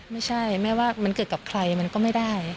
ไม่ใช่แม่ว่ามันเกิดกับใครมันก็ไม่ได้